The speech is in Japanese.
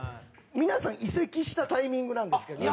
皆さん移籍したタイミングなんですけど。